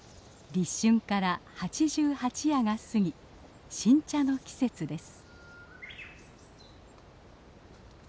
立春から八十八夜が過ぎ新茶の季節です。